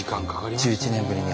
１１年ぶりに。